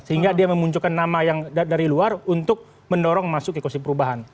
sehingga dia memunculkan nama yang dari luar untuk mendorong masuk ekosis perubahan